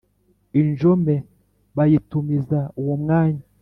Injome bayitumiza uwo mwanya,